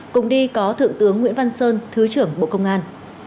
cùng đi có thượng tướng nguyễn văn sơn thứ trưởng bộ công an